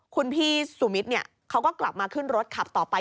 คุณพี่สุมิตรเขาก็กลับมาขึ้นรถขับต่อไป